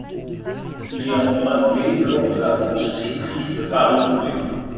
Il est emprunté lors de la course cycliste Paris-Roubaix.